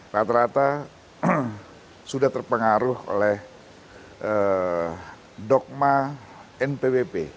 rata rata sudah terpengaruh oleh dogma npwp